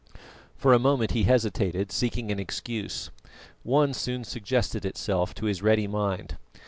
For a moment he hesitated, seeking an excuse. One soon suggested itself to his ready mind.